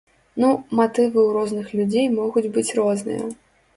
Ну, матывы ў розных людзей могуць быць розныя.